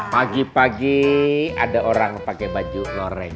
pagi pagi ada orang pake baju goreng